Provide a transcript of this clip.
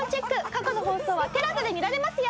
過去の放送はＴＥＬＡＳＡで見られますよ！